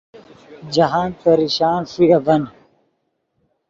جاہند پریشان ݰوئے اڤن